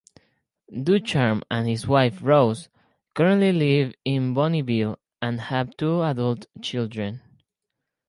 Ducharme and his wife, Rose, currently live in Bonnyville and have two adult children.